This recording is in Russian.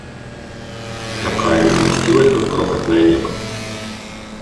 Такая не уместилась бы в крохотное небо!